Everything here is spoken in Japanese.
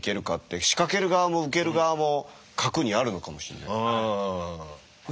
仕掛ける側も受ける側も核にあるのかもしれない。